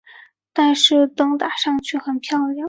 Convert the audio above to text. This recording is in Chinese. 但是灯打上去很漂亮